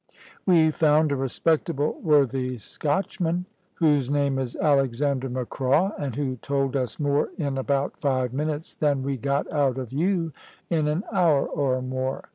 "We found a respectable worthy Scotchman, whose name is Alexander Macraw; and who told us more in about five minutes than we got out of you in an hour or more.